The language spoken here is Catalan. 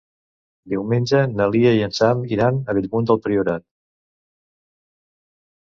Diumenge na Lia i en Sam iran a Bellmunt del Priorat.